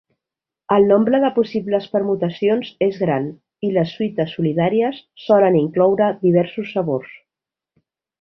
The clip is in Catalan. El nombre de possibles permutacions és gran, i les suites solitàries solen incloure diversos sabors.